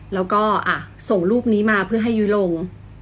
แล้วก็ส่งรูปนี้มาเพื่อให้ยุ้ยลง